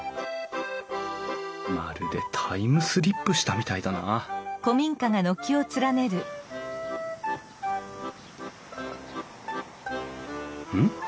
まるでタイムスリップしたみたいだなうん？